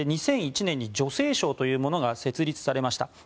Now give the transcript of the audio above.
２００１年に女性省というものが設立されました。